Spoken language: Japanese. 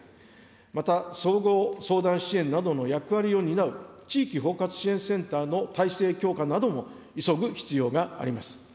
また、総合相談支援などの役割を担う地域包括支援センターの体制強化なども急ぐ必要があります。